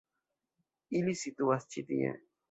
Ili situas ĉi tie.